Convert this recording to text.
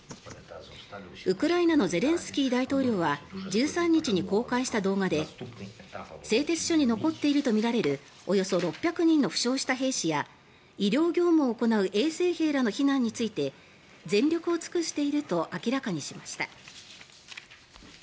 ウクライナのゼレンスキー大統領は１３日に公開した動画で製鉄所に残っているとみられるおよそ６００人の負傷した兵士や医療業務を行う衛生兵らの避難について全力を尽くしていると明らかにしました。